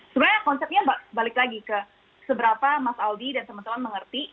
sebenarnya konsepnya balik lagi ke seberapa mas aldi dan teman teman mengerti